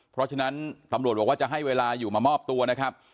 เพราะฉะนั้นตำรวจบอกว่าจะให้เวลาอยู่มามอบตัวนะครับ